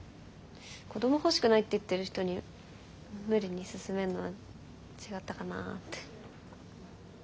子ども欲しくないって言ってる人に無理に勧めんのは違ったかなって。